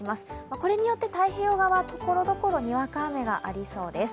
これによって太平洋側ところどころにわか雨がありそうです。